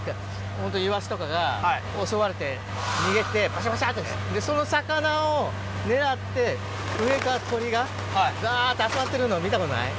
本当、イワシとかが襲われて、逃げて、ばしゃばしゃって、その魚を狙って、上から鳥が、だーって集まってるの、見たことない？